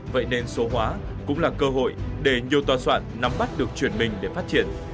vậy nên số hóa cũng là cơ hội để nhiều tòa soạn nắm bắt được chuyển mình để phát triển